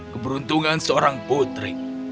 keberuntungan seorang putri